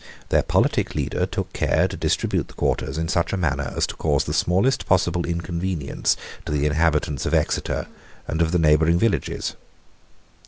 Their politic leader took care to distribute the quarters in such a manner as to cause the smallest possible inconvenience to the inhabitants of Exeter and of the neighbouring villages.